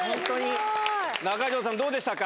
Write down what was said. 中条さん、どうでしたか？